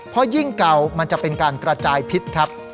เพราะยิ่งเก่ามันจะเป็นการกระจายพิษครับ